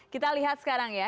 kita lihat sekarang ya